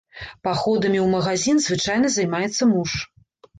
Паходамі ў магазін звычайна займаецца муж.